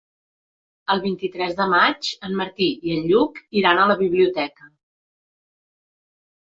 El vint-i-tres de maig en Martí i en Lluc iran a la biblioteca.